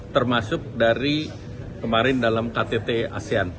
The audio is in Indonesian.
termasuk dari kemarin dalam ktt asean